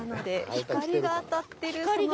光が当たってる